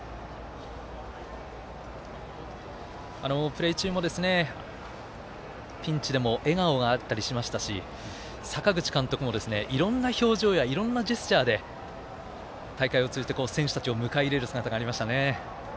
プレー中も、ピンチでも笑顔があったりしましたが阪口監督もいろんな表情やいろんなジェスチャーで大会を通じて選手たちを迎え入れる姿がありましたね。